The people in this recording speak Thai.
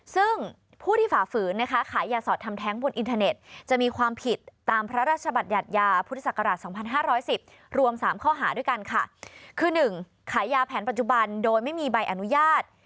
สามข้อหาด้วยกันค่ะคือหนึ่งขายยาแผนปัจจุบันโดยไม่มีใบอนุญาต